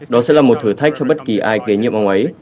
đó sẽ là một thử thách cho bất kỳ ai kế nhiệm ông ấy